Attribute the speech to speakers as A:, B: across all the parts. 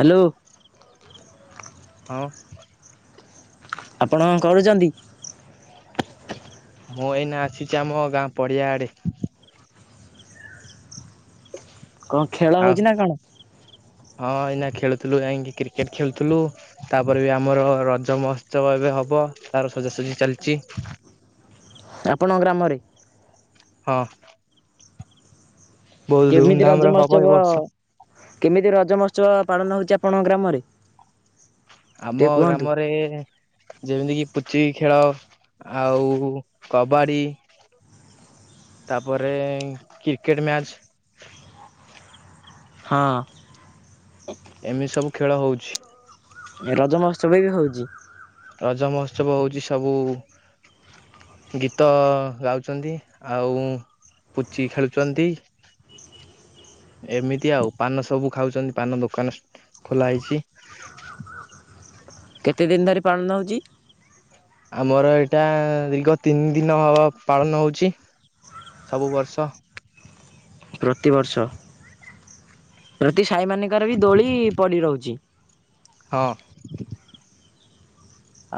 A: Hello.
B: ହଁ।
A: ଆପଣ କରୁଚନ୍ତି?
B: ମୁଁ ଏଇନା ଆସିଚି ଆମ ଗାଁ ପଡିଆ ଆଡେ।
A: କଣ ଖେଳ
B: ଆଉ
A: ହୋଉଚି ନା କଣ?
B: ହଁ ଏଇନା ଖେଳୁଥିଲୁ ଯାଇଁକି କ୍ରିକେଟ ଖେଳୁଥୁଲୁ। ତାପରେ ବି ଆମର ରଜ ମହୋତ୍ସବ ଏବେ ହବ ତାର ସଜାସଜି ଚାଲିଚି।
A: ଆପଣଙ୍କ ଗ୍ରାମରେ?
B: ହଁ। ବହୁତ
A: କେମିତି
B: ଧୁମଧାମ
A: ରଜ
B: ରେ ହବ ଏ
A: ମହୋତ୍ସବ
B: ବର୍ଷ
A: କେମିତି ରଜ ମହୋତ୍ସବ ପାଳନ ହୋଉଚି ଆପଣଙ୍କ ଗ୍ରାମରେ?
B: ଆମ
A: ଟିକେ କୁହନ୍ତୁ
B: ଗ୍ରାମରେ ଯେମିତି କିି ପୁଚିି ଖେଳ ଆଉ କବାଡି ତାପରେ କ୍ରିକେଟ୍ ମ୍ୟାଚ୍
A: ହଁ।
B: ଏମିତି ସବୁ ଖେଳ ହୋଉଛି।
A: ରଜ ମହୋତ୍ସବ ବି ହୋଉଚି?
B: ରଜ ମହୋତ୍ସବ ହୋଉଚି ସବୁ ଗୀତ ଗାଉଚନ୍ତି ଆଉ ପୁଚି ଖେଳୁଚନ୍ତି। ଏମିତି ଆଉ ପାନ ସବୁ ଖାଉଚନ୍ତି ପାନ ଦୋକାନ ଖୋଲା ହେଇଚି।
A: କେତେ ଦିନ ଧରି ପାଳନ ହଉଚି?
B: ଆମର ଏଇଟା ଦୀର୍ଘ ତିନି ଦିନ ହବ ପାଳନ ହଉଚି ସବୁ ବର୍ଷ।
A: ପ୍ରତିବର୍ଷ ପ୍ରତି ସାହିମାନିଙ୍କାରେ ବି ଦୋଳି ପଡି ରହୁଚି।
B: ହଁ।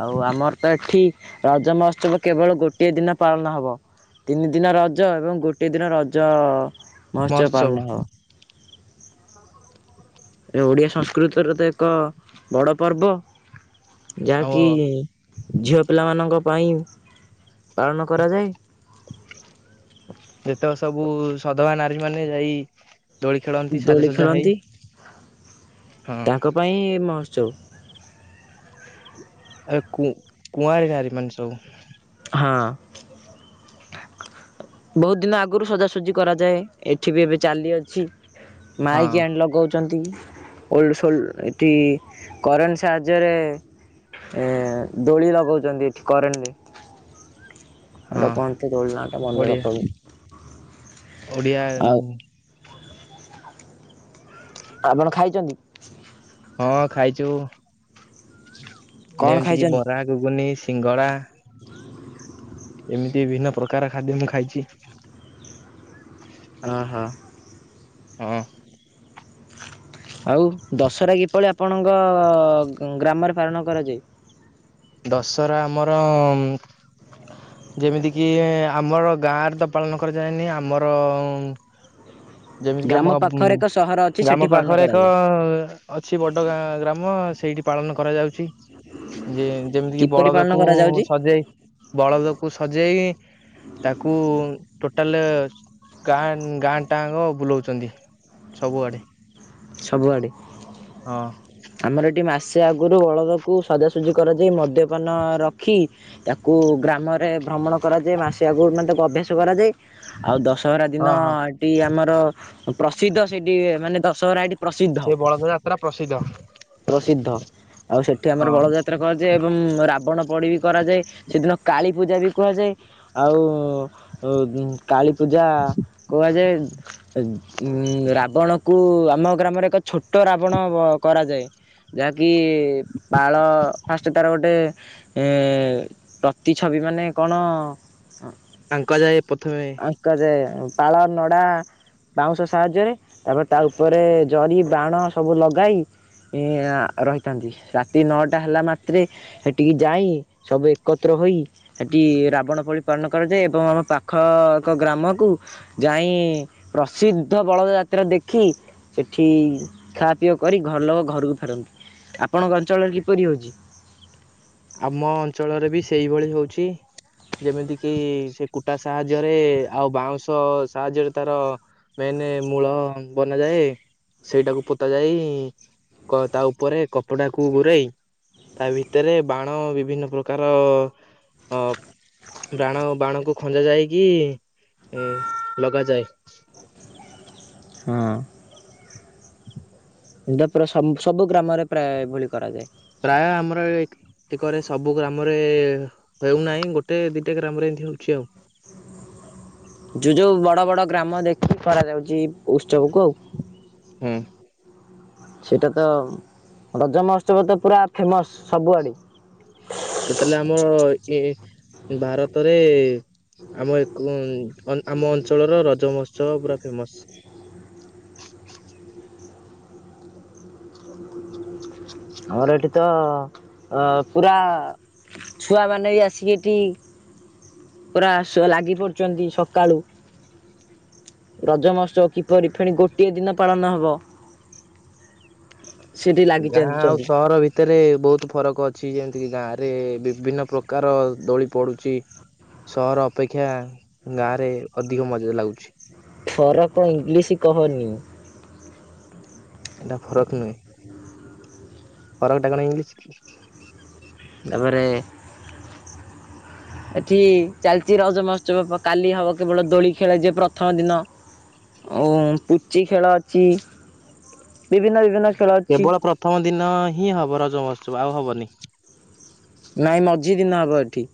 A: ଆଉ ଆମର ତ ଏଠି ରଜ ମହୋତ୍ସବ କେବଳ ଗୋଟିଏ ଦିନ ପାଳନ ହବ। ତିନି ଦିନ ରଜ ଏବଂ ଗୋଟେ ଦିନ ରଜ ମହୋତ୍ସବ
B: ମହୋତ୍ସବ
A: ପାଳନ ହବ। ଏ ଓଡିଆ ସଂସ୍କୃତିର ତ ଏକ ବଡ ପର୍ବ
B: ଆମ
A: ଯାହାକି ଝିଅ ପିଲାମାନଙ୍କ ପାଇଁ ପାଳନ କରାଯାଏ।
B: ଯେତେକ ସବୁ ସଧବା ନାରୀ ମାନେ ଯାଇ ଦୋଳି ଖେଳନ୍ତି
A: ଦୋଳି
B: ସାଜସଜା ହେଇ
A: ଖେଳନ୍ତି
B: ହଁ।
A: ତାଙ୍କ ପାଇଁ ମହୋତ୍ସବ।
B: ଆରେ କ କୁଆଁରୀ ନାରୀ ମାନେ ସବୁ।
A: ହଁ। ବହୁତ ଦିନ ଆଗରୁ ସଜାସଜି କରାଯାଏ ଏଠି ବି ଏବେ ଚାଲିଅଛି।
B: ହଁ
A: ମାଇକ୍ ଆଣି ଲଗଉଛନ୍ତି ଓଲଡ ସୋଲଡ ଏଠି କରେଣ୍ଟ ସାହାଯ୍ୟରେ ଏ ଦୋଳି ଲଗଉଛନ୍ତି ଏଠି କରେନରେ କଣ
B: ହଁ
A: ଟା କହନ୍ତି ଦୋଳି ନାଁଟା ମନେର
B: ଓଡିଆ
A: ପଡୁନି
B: ଓଡିଆ
A: ଆଉ ଆପଣ ଖାଇଛନ୍ତି?
B: ହଁ ଖାଇଚୁ।
A: କଣ
B: ଯେମିତି କି
A: ଖାଇଛନ୍ତି?
B: ବରା ଘୁଗୁନି ସିଙ୍ଗଡ଼ା ଏମିତି ବିଭିନ୍ନ ପ୍ରକାର ଖାଦ୍ୟ ମୁଁ ଖାଇଛି।
A: ଅହ।
B: ହଁ।
A: ଆଉ ଦଶହରା କିପଳି ଆପଣଙ୍କ ଗ୍ରାମରେ ପାଳନ କରାଯାଏ?
B: ଦଶହରା ଆମର ଯେମିତି କିି ଆମର ଗାଁରେ ତ ପାଳନ କରାଯାଏନି ଆମର ଯେମିତିକି
A: ଗ୍ରାମ
B: ଆମ
A: ପାଖରେ ଏକ ସହର ଅଛି ସେଠି
B: ଗ୍ରାମ
A: ପାଳନ
B: ପାଖରେ ଏକ
A: କରାଯାଏ।
B: ଅଛି ବଟ ଗାଁ ଗ୍ରାମ ସେଇଠି ପାଳନ କରାଯାଉଛି। ଯେ ଯେମିତିକ
A: କିପରି ପାଳନ
B: ବଳଦକୁ
A: କରାଯାଉଛି?
B: ସଜେଇ ବଳଦକୁ ସଜେଇ ତାକୁ ଟୋଟାଲ ଗାଁ ଗାଁ ଟାଙ୍କ ବୁଲଉଛନ୍ତି ସବୁଆଡେ।
A: ସବୁଆଡ଼େ?
B: ହଁ
A: ଆମର ଏଠି ମାସେ ଆଗରୁ ବଳଦକୁ ସଜାସଜି କରାଯାଇ ମଦ୍ୟପାନ ରଖି ତାକୁ ଗ୍ରାମରେ ଭ୍ରମଣ କରାଯାଏ ମାସେ ଆଗୁରୁ ମାନେ ତାକୁ ଅଭ୍ୟାସ କରାଯାଏ ଆଉ ଦଶହରା ଦିନ
B: ହଁ ହଁ
A: ସିଠି ଆମର ପ୍ରସିଦ୍ଧ ସେଠି ମାନେ ଦଶହରା ଏଠି ପ୍ରସିଦ୍ଧ।
B: ସେଇ ବଳଦ ଯାତ୍ରା ପ୍ରସିଦ୍ଧ
A: ପ୍ରସିଦ୍ଧ ଆଉ ସେଠି ଆମର
B: ହଁ।
A: ବଳଯାତ ଯାତ୍ରା କରାଯାଏ ଏବଂ ରାବଣ ପୋଡି ବି କରାଯାଏ ସେଦିନ କାଳୀ ପୂଜା ବି କୁହାଯାଏ। ଆଉ କାଳୀପୂଜା କୁହାଯାଏ। ଉ ରାବଣକୁ ଆମ ଗ୍ରାମରେ ଏକ ଛୋଟ ରାବଣ କରାଯାଏ। ଯାହାକି ପାଳ ଫାଷ୍ଟ ତାର ଗୋଟେ ଏ ପ୍ରତିଛବି ମାନେ କଣ
B: ଆଙ୍କ ଯାଏ ପ୍ରଥମେ।
A: ଆଙ୍କ ଯାଏ ପାଳ ନଡ଼ା ବାଉଁଶ ସାହାଯ୍ୟରେ ତାପରେ ତା ତା ପରେରେ ଜରି ବାଣ ସବୁ ଲଗାଇ ସେ ରହିଥା ରାତି ନଅଟା ହେଲା ମାତ୍ରେ ସେଠିକି ଯାଇ ସବୁ ଏକତ୍ର ହୋଇ ସେଠି ରାବଣ ପୋଡି ପାଳନ କରାଯାଏ ଏବଂ ଆମ ପାଖ ଏକ ଗ୍ରାମକୁ ଯାଇ ପ୍ରସିଦ୍ଧ ବଳଦଯାତ୍ରା ଦେଖି ସେଠି ଖାଅ ପିଆ କରି ଘର ଲୋକ ଘରକୁ ଫେରନ୍ତି। ଆପଣଙ୍କ ଅଞ୍ଚଳରେ କିପରି ହଉଛି?
B: ଆମ ଅଞ୍ଚଳରେ ବି ସେଇଭଳି ହଉଛି। ଯେମିତି କିି ସେ କୁଟା ସାହାଯ୍ୟରେ ଆଉ ବାଉଁଶ ସାହାଯ୍ୟରେ ତାର ମେନ୍ ମୂଳ ବନାଯାଏ। ସେଇଟାକୁ ପୋତା ଯାଇ ତା ଉପରେ କପଡାକୁ ଗୁରେଇ ତା ଭିତରେ ବାଣ ବିଭିନ୍ନ ପ୍ରକାର ଅ ବାଣ ବାଣକୁ ଖଞ୍ଜା ଯାଇକି ଲଗାଯାଏ।
A: ହଁ। ଏଇଟା ପୁରା [unintelligible] ସବୁ ଗ୍ରାମରେ ପ୍ରାୟ ଏଭଳି କରାଯାଏ।
B: ପ୍ରାୟ ଆମର ଏ ଏକରେ ସବୁ ଗ୍ରାମରେ ହେଉନାହିଁ ଗୋଟେ ଦିଇଟା ଗ୍ରାମରେ ଏମ୍ତି ହଉଚି ଆଉ।
A: ଯୋଉ-ଯୋଉ ବଡ-ବଡ ଗ୍ରାମ ଦେଖିକି କରାଯାଉଚି। ଉତ୍ସବକୁ ଆଉ।
B: ହଁ
A: ସେଇଟା ତ ରଜ ମହୋତ୍ସବ ତ ପୁରା ଫେମସ୍ ସବୁଆଡ଼େ।
B: [inaudible] ଟୋଟାଲି ଆମର ଏ ଭାରତରେ ଆମ [unintelligible] ଆମ ଅଞ୍ଚଳର ରଜ ମହୋତ୍ସବ ପୁରା ଫେମସ୍।
A: ଆମର ଏଠି ତ ଅ ପୁରା ଛୁଆମାନେ ବି ଆସିକି ଏଠି ପୁରା [unintelligible] ଲାଗି ପଡ଼ିଚନ୍ତି ସକାଳୁ। ରଜ ମହୋତ୍ସବ କିପରି ଫେଣି ଗୋଟିଏ ଦିନ ପାଳନ ହବ। ସେଠି ଲା
B: ଗାଁ ଆଉ ସହର ଭି ଭିତରେ ବହୁତ୍ ଫରକ୍ ଅଛି ଯେମ୍ତିକି ଗାଁରେ ବିଭିନ୍ନ ପ୍ରକାର ଦୋଳି ପଡୁଚି। ସହର ଅପେକ୍ଷା ଗାଁରେ ଅଧିକ ମଜା ଲାଗୁଚି।
A: ଫରକ୍ ଇଂଲିଶି କହନି।
B: ଏଟା ଫରକ୍ ନୁହେଁ ଫରକ୍ ଟା କଣ ଇଂଲିଶି।
A: ତାପରେ ଏଠି ଚାଲିଚି ରଜ ମହୋତ୍ସବ କାଲି ହବ କେବଳ ଦୋଳି ଖେଳା ଯିବ ପ୍ରଥମ ଦିନ। ଓ ପୁଚି ଖେଳ ଅଛି ବିଭିନ୍ନ-ବିଭିନ୍ନ।
B: କେବଳ ପ୍ରଥମ ଦିନ ହିଁ ହବ ରଜ ମହୋତ୍ସବ ଆଉ ହବନି।
A: ନାଇଁ ମଝି ଦିନ ହବ ଏଠି।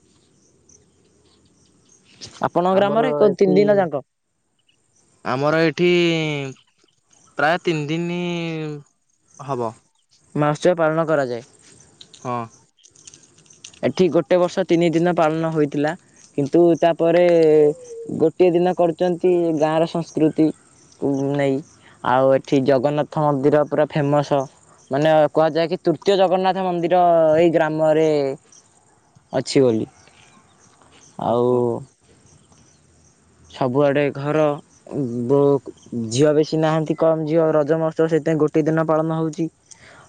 A: ଆପଣଙ୍କ
B: ଆମର
A: ଗ୍ରାମରେ ଏକ ତିନି
B: ଏଠି
A: ଦିନ ଯାକ।
B: ଆମର ଏଇଠି ପ୍ରାୟ ତିନି ଦିନ ହବ।
A: ମାସେ ପାଳନ କରାଯାଏ।
B: ହଁ।
A: ଏଠି ଗୋଟେ ବର୍ଷ ତିନି ଦିନ ପାଳନ ହୋଇଥିଲା। କିନ୍ତୁ ତାପରେ ଗୋଟିଏ ଦିନ କରୁଚନ୍ତି ଗାଁର ସଂସ୍କୃତି। କୁ ନେଇ ଆଉ ଏଠି ଜଗନ୍ନାଥ ମନ୍ଦିର ପୁରା ଫେମସ୍। ମାନେ କୁହାଯାଏ କି ତୃତୀୟ ଜଗନ୍ନାଥ ମନ୍ଦିର ଏଇ ଗ୍ରାମରେ ଅଛି ବୋଲି, ଆଉ
B: ଓହୋ।
A: ସବୁଆଡ଼େ ଘର ବ ଝିଅ ବେଶି ନାହାନ୍ତି କମ୍ ଝିଅ ରଜ ମହୋତ୍ସବ ସେଥିପାଇଁ ଗୋଟେ ଦିନ ପାଳନ ହଉଚି।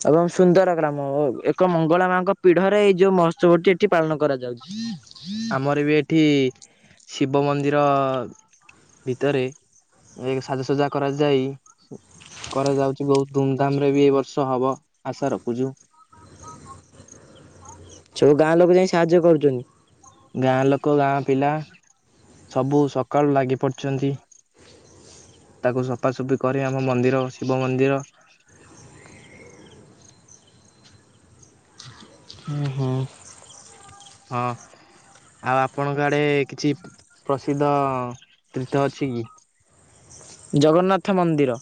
A: ଏବଂ ସୁନ୍ଦର ଗ୍ରାମ ଏକ ମଙ୍ଗଳା ମାଙ୍କ ପିଢରେ ଏଇ ଯୋଉ ମହୋତ୍ସବଟି ଏଠି ପାଳନ କରାଯାଉଚି।
B: ଆମର ବି ଏଠି ଶିବ ମନ୍ଦିର ଭିତରେ ଏ ସାଜସଜା କରାଯାଇ କରାଯାଉଚି ବହୁତ୍ ଧୁମଧାମ୍ ରେ ବି ଏ ବର୍ଷ ହବ ଆଶା ରଖୁଚୁ।
A: ସବୁ ଗାଁ ଲୋକ ଯାଇଁ ସାହାଯ୍ୟ କରୁଚନ୍ତି?
B: ଗାଁ ଲୋକ ଗାଁ ପିଲା ସବୁ ସକାଳୁ ଲାଗି ପଡ଼ିଛନ୍ତି। ତାକୁ ସଫାସୁଫି କରି ଆମ ମନ୍ଦିର ଶିବ ମନ୍ଦିର।
A: ଓ ହଁ।
B: ହଁ। ଆଉ ଆପଣଙ୍କ ଆଡେ କିଛି ପ୍ରସିଦ୍ଧ ତୀର୍ଥ ଅଛି କି।
A: ଜଗନ୍ନାଥ ମନ୍ଦିର।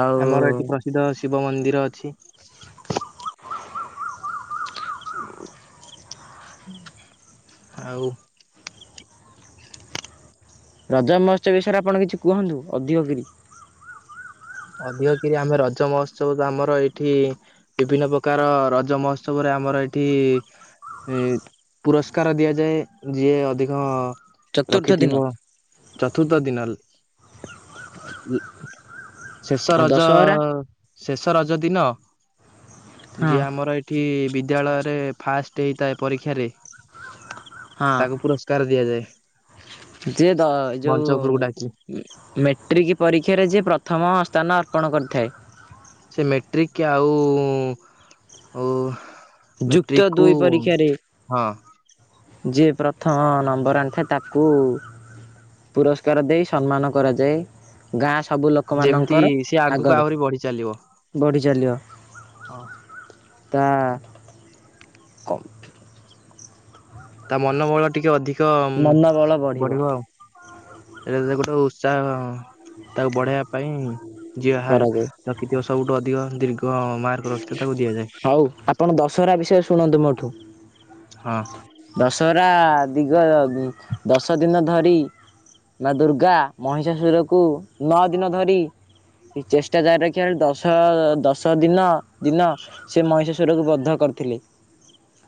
A: ଆଉ
B: ଆମର ଏଠି ପ୍ରସିଦ୍ଧ ଶିବ ମନ୍ଦିର ଅଛି। ଆଉ।
A: ରଜ ମହୋତ୍ସବ ବିଷୟରେ ଆପଣ କିଛି କୁହନ୍ତୁ ଅଧିକ କିରି।
B: ଅଧିକ କିରି ଆମେ ରଜ ମହୋତ୍ସବ ତ ଆମର ଏଠି। ବିଭିନ୍ନ ପ୍ରକାର ରଜ ମହୋତ୍ସବରେ ଆମର ଏଠି। ଏ ପୁରସ୍କାର ଦିଆଯାଏ ଯିଏ ଅଧିକ।
A: ଚତୁର୍ଥ ଦିନ
B: ରଖିଥିବ ଚତୁର୍ଥ ଦିନଲ। ଶେଷ
A: ଆଉ
B: ରଜ,
A: ଦଶହରା
B: ଶେଷ ରଜ ଦିନ
A: ହଁ
B: ଯିଏ ଆମର ଏ। ଏଠି ବିଦ୍ୟାଳୟରେ ଫାଷ୍ଟେ ହେଇଥାଏ ପରୀକ୍ଷାରେ।
A: ହଁ
B: ତାକୁ ପୁରସ୍କାର ଦିଆଯାଏ ମଞ୍ଚ ଉପରକୁ ଡାକି।
A: ମାେଟ୍ରିକ୍ ପରୀକ୍ଷାରେ ଯିଏ ପ୍ରଥମ ସ୍ଥାନ ଅର୍ପଣ କରିଥାଏ।
B: ସେ ମେଟ୍ରିକି ଆଉ ଉଁ।
A: ଯୁକ୍ତ ଦୁଇ ପରୀକ୍ଷାରେ।
B: ହଁ
A: ଯିଏ ପ୍ରଥମ ନମ୍ବର ଆଣିଥାଏ ତାକୁ। ପୁରସ୍କାର ଦେଇ ସମ୍ମାନ କରାଯାଏ। ଗାଁ ସବୁ
B: ଯେମିତି
A: ଲୋକମାନଙ୍କର
B: ସିଏ ଆଗକୁ
A: ଆଗରେ
B: ଆହୁରି ବଢି
A: ବଢ଼ିଚଲିବ।
B: ଅ।
A: ତା। କମ୍।
B: ତା ମନବଳ ଟିକେ ଅଧିକ ବଢିବ ଆଉ। ସେଇଟା ତ ଗୋଟେ ଉତ୍ସାହ। ତାକୁ ବଢେଇବା ପାଇଁ ଯିହା
A: କରାଯାଏ
B: ରଖିଥିବ ସବୁଠୁ ଅଧିକ ଦୀର୍ଘ ମାର୍କ। ରଖିଥିବ ତାକୁ ଦିଆଯାଏ।
A: ହଉ ଆପଣ ଦଶହରା ବିଷୟ ଶୁଣନ୍ତୁ ମୋଠୁ।
B: ହଁ।
A: ଦଶହରା ଦିଗ ଦଶ ଦିନ ଧରି। ମା ଦୁର୍ଗା ମହିଷାସୁରକୁ ନଅ ଦିନ ଧରି। ଚେଷ୍ଟା ଜାରି ରଖିବା ରେ ଦଶ, ଦଶ ଦିନ। ଦିନ ସେ ମହିଷାଶୁର କୁ ବଦ୍ଧ କରିଥିଲେ।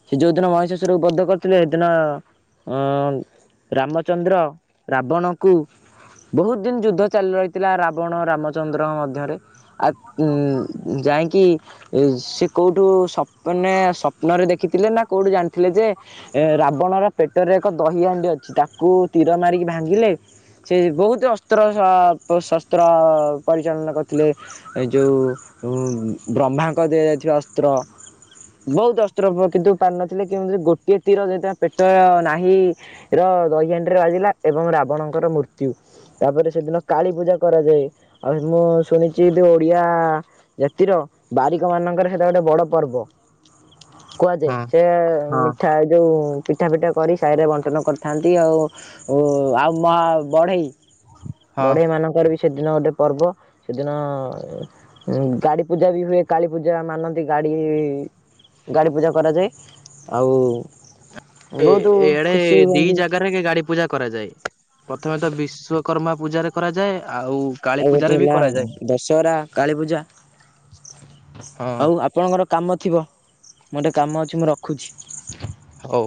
A: ସେ ଯୋଉ ଦିନ ମହିଷାସୁର କୁ ବଦ୍ଧ କରିଥିଲେ ସେଦିନ। ଅ ରାମଚନ୍ଦ୍ର, ରାବଣକୁ। ବହୁତ ଦିନି ଯୁଦ୍ଧ ଚାଲି ରହିଥିଲା ରାବଣ, ରାମଚନ୍ଦ୍ରଙ୍କ ମଧ୍ୟରେ। ଆ ଉ ଯାଇକି। ସେ କୋଉଠୁ ସପନେ ସ୍ୱପ୍ନ ରେ ଦେଖିଥିଲେ ନା କୋଉଠି ଜାଣି। ଜାଣି ଥିଲେ ଯେ ରାବଣର ପେଟରେ ଏକ ଦହି ହାଣ୍ଡି ଅଛି ତାକୁ ତୀର ମାରିକି ଭାଙ୍ଗିଲେ। ସେ ବହୁତୁ ଅସ୍ତ୍ର। ଅ ଶସ୍ତ୍ର ପରିଚାଳନା କରିଥିଲେ ଏ ଯେଉଁ ଉଁ। ବ୍ରହ୍ମାଙ୍କ ଦିଆଯାଇଥିବା ଅସ୍ତ୍ର। ବହୁତୁ ଅସ୍ତ୍ରୋପ କିନ୍ତୁ ପାରି ନଥିଲେ କିନ୍ତୁ ସେ ଗୋଟିଏ ତୀର ଯେ ପେଟ ନାହିଁ। ର ଦହି ଦହି ହାଣ୍ଡି ରେ ବାଜିଲା ଏବଂ ରାବଣଙ୍କର ମୃତ୍ୟୁ। ତାପରେ ସେଦିନ କାଳୀ ପୂଜା କରାଯାଏ ଆଉ ମୁଁ ଶୁଣିଛି ଓଡ଼ିଆ ଜାତିର ବାରିକ ମାନଙ୍କର ହେଟା ଗୋଟେ ବଡ ପର୍ବ। କୁହାଯାଏ
B: ହଁ
A: ସେ
B: ହଁ
A: ମିଠା ଏ ଯୋଉ ପିଠା ପିଠା କରି ସାହିରେ ବଣ୍ଟନ କରିଥାନ୍ତି ଆଉ ଆଉ ମ ବଢ଼େଇ
B: ହଁ
A: ବଢେଇ ମାନଙ୍କର ବି ସେଦିନ ଗୋଟେ ପର୍ବ ସେଦିନ ଗାଡି ପୂଜା ବି ହୁଏ କାଳୀ ପୂଜା ମାନନ୍ତି ଗାଡି। ଗାଡି ପୂଜା କରାଯାଏ ଆଉ ବହୁତ ଖୁସି ହୁଅନ୍ତି।
B: ରେ କି ଗାଡି ପୂଜା କରାଯାଏ ପ୍ରଥମେ ତ ବିଶ୍ଵକର୍ମ ପୂଜାରେ କରାଯାଏ ଆଉ କାଳୀ
A: ଆଉ ଗୋଟେ
B: ପୂଜାରେ ବି
A: ହେଲା
B: କରାଯାଏ
A: ଦଶହରା କାଳୀ ପୂଜା
B: ହଁ
A: ହଉ ଆପଣଙ୍କର କାମ ଥିବ ମୋଟେ କାମ ଅଛି ମୁଁ ରଖୁଛି।
B: ହଉ